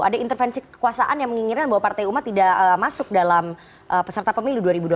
ada intervensi kekuasaan yang menginginkan bahwa partai umat tidak masuk dalam peserta pemilu dua ribu dua puluh